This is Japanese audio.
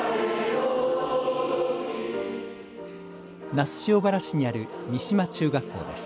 那須塩原市にある三島中学校です。